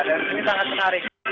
dan ini sangat menarik